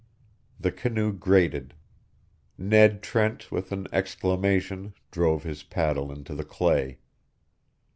The canoe grated. Ned Trent with an exclamation drove his paddle into the clay.